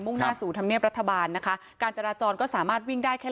มุ่งหน้าศูทำเนียบรัฐบาลการจาราจรก็สามารถวิ่งได้แค่